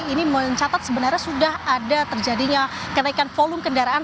ini mencatat sebenarnya sudah ada terjadinya kenaikan volume kendaraan